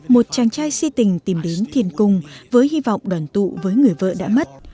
một chàng trai si tình tìm đến thiền cung với hy vọng đoàn tụ với người vợ đã mất